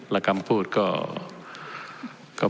และคำพูดก็